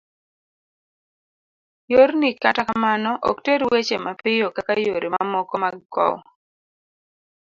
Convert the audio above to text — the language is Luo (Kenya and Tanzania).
yorni kata kamano, ok ter weche mapiyo kaka yore mamoko mag kowo